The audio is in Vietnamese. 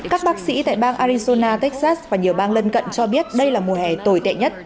các bác sĩ tại bang arizona texas và nhiều bang lân cận cho biết đây là mùa hè tồi tệ nhất